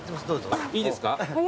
いいですか？